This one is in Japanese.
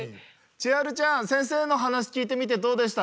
ちはるちゃん先生の話聞いてみてどうでした？